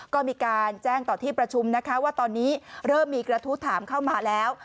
ก็มีการแจ้งต่อที่ประชุมนะคะว่าตอนนี้เริ่มมีกระทู้ถามเข้ามาแล้ว